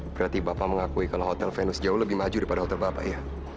berarti bapak mengakui kalau hotel venus jauh lebih maju daripada hotel bapak ya